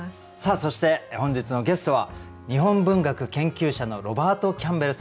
そして本日のゲストは日本文学研究者のロバート・キャンベルさんです。